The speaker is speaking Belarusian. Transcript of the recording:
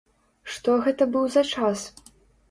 Што гэта быў за час?